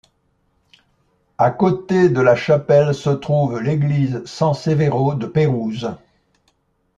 À côté de la chapelle se trouve l'église San Severo de Pérouse.